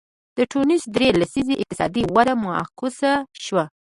د ټونس درې لسیزې اقتصادي وده معکوسه شوه.